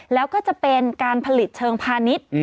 แล้วก็จะเป็นการผลิตเชิงพาณิชย์